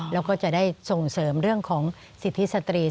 แล้วก็จะได้ส่งเสริมเรื่องของสิทธิสตรี